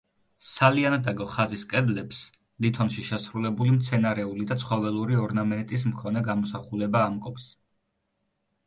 სალიანდაგო ხაზის კედლებს ლითონში შესრულებული მცენარეული და ცხოველური ორნამენტის მქონე გამოსახულება ამკობს.